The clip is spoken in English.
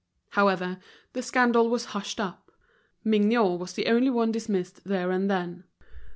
However, the scandal was hushed up. Mignot was the only one dismissed there and then.